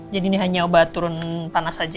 jadi ini hanya obat turun panas aja ya